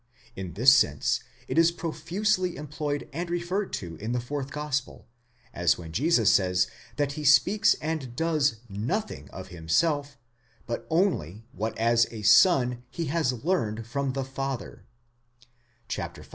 In this sense it is profusely employed and referred to in the fourth gospel; as when Jesus says that he speaks and does nothing of himself, but only what as a son he has learned from the Father (v.